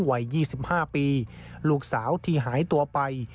วัย๒๕ปีลูกสาวที่หายตัวไป